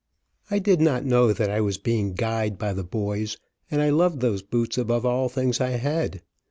I did not know that I was being guyed by the boys, and I loved those boots above all things I had.